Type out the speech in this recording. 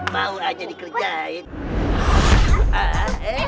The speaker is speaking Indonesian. mau aja dikerjain